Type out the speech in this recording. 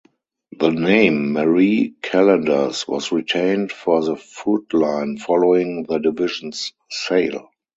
The name "Marie Callender's" was retained for the food line following the division's sale.